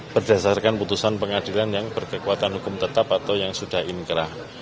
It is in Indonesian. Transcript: berdasarkan putusan pengadilan yang berkekuatan hukum tetap atau yang sudah inkrah